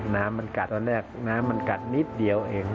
น้ำมันกัดตอนแรกน้ำมันกัดนิดเดียวเอง